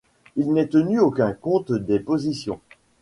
Il n’est tenu aucun compte des positions.